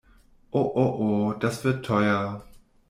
Oh oh oh, das wird teuer!